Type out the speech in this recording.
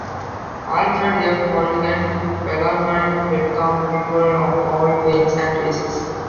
Alfred F. Horrigan, Bellarmine welcomed people of all faiths and races.